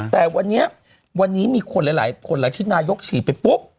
แต่วันนี้มีคนหลายที่นายกฉีดไปปุ๊บ